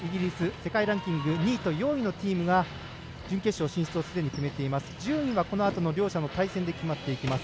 世界ランキング２位と４位のチームが準決勝進出をすでに決めています。